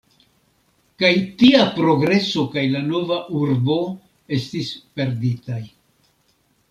Kaj tia progreso kaj la nova urbo estis perditaj.